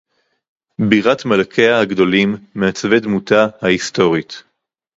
בירת מלכיה הגדולים, מעצבי דמותה ההיסטורית